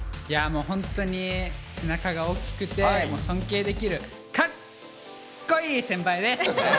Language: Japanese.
本当に背中が大きくて尊敬できるかっこいい先輩です！